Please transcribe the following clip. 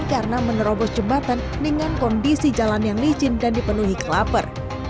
karena menerobos jembatan dengan kondisi jalan yang licin dan dipenuhi klaper